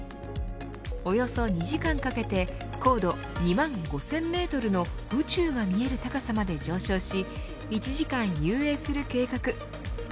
およそ２時間かけて高度２万５０００メートルの宇宙が見える高さまで上昇し１時間遊泳する計画。